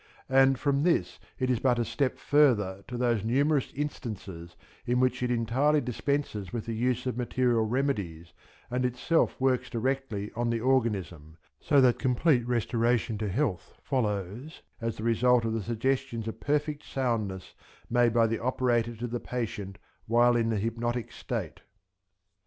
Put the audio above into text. And from this it is but a step further to those numerous instances in which it entirely dispenses with the use of material remedies and itself works directly on the organism, so that complete restoration to health follows as the result of the suggestions of perfect soundness made by the operator to the patient while in the hypnotic state.